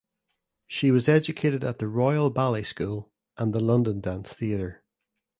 She was educated at the Royal Ballet School and the London Dance Theatre.